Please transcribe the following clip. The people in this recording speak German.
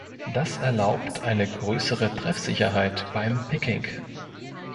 Das erlaubt eine größere Treffsicherheit beim Picking.